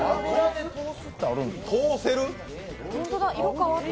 通せる？